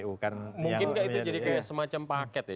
mungkinkah itu jadi kayak semacam paket ya